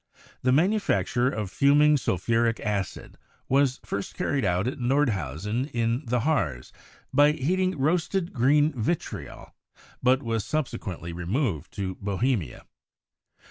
The manufacture of fuming sulphuric acid was first car ried out at Nordhausen in the Harz, by heating roasted green vitriol, but was subsequently removed to Bohemia.